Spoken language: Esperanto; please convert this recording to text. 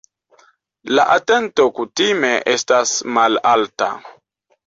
La atento kutime estas malalta.